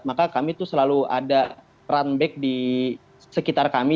maka kami itu selalu ada runback di sekitar kami